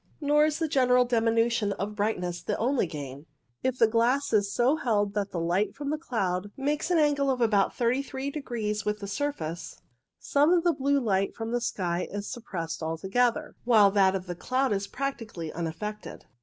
Nor is the general diminution of brightness the only gain. If the glass is so held that the light from the cloud makes an angle of about 33 degrees with the surface, some of the blue light from the sky is suppressed altogether, while that from the cloud is practically unaffected.